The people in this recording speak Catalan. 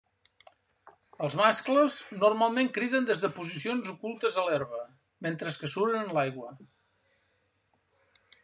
Els mascles normalment criden des de posicions ocultes a l'herba, mentre que suren en l'aigua.